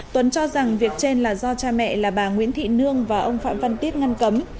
tuấn cho rằng việc trên là do cha mẹ là bà nguyễn thị nương và ông phạm văn tiết ngăn cấm